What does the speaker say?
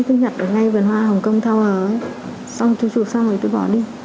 tôi nhặt ở ngay vườn hoa hồng kông thao hờ ấy xong tôi chụp xong rồi tôi bỏ đi